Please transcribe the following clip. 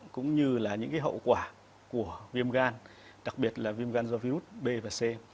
cũng như là những hậu quả của viêm gan đặc biệt là viêm gan do virus b và c